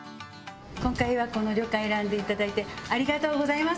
今回はこの旅館選んでいただいてありがとうございます。